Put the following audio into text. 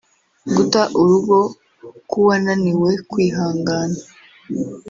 guta urugo k’uwananiwe kwihangana